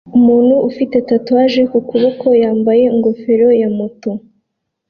Umuntu ufite tatouage ku kuboko yambaye ingofero ya moto